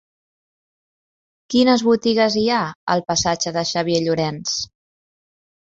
Quines botigues hi ha al passatge de Xavier Llorens?